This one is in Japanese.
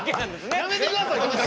やめてください。